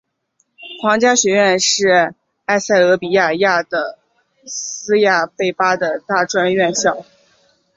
皇家学院是埃塞俄比亚亚的斯亚贝巴的大专院校。